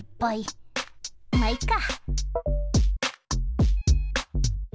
まいっか！